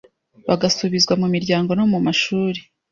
bagasubizwa mu miryango no mu mashuri.